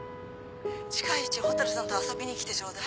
近いうち蛍さんと遊びに来てちょうだい。